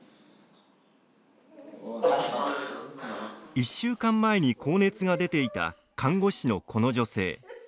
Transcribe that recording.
１週間前に高熱が出ていた看護師の、この女性。